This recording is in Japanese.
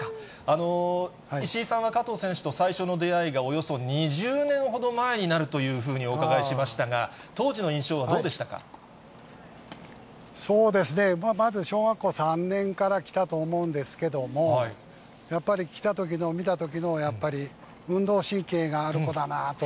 石井さんは加藤選手と最初の出会いがおよそ２０年ほど前になるというふうにお伺いしましたが、そうですね、まず小学校３年から来たと思うんですけども、やっぱり来たときの、見たときのやっぱり運動神経がある子だなと。